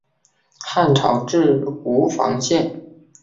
汉朝置吴房县。